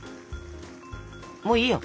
もういいよ。